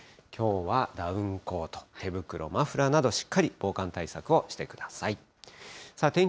きょうはダウンコート、手袋、マフラーなど、しっかり防寒対策をしてください。